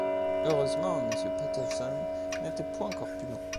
Heureusement, Monsieur Patterson n’était point corpulent.